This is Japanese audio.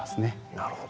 なるほど。